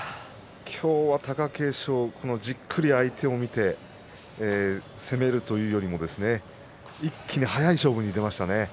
今日は貴景勝はじっくり相手を見て攻めるというよりも一気に早い勝負に出ましたね。